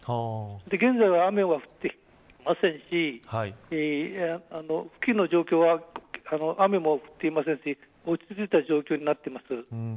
現在は雨が降っていませんし付近の状況は雨も降っていませんし落ち着いた状況になっています。